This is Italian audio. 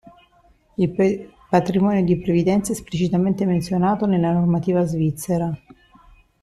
Il patrimonio di previdenza è esplicitamente menzionato nella normativa svizzera.